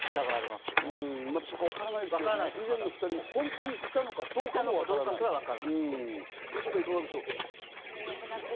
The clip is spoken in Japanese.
まだわからないですけれども、以前の２人も本当にいたのかどうかもわからないですから。